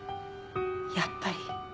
やっぱり。